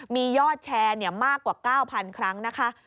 มียอดแชร์มากกว่า๙๐๐ครั้งนะคะ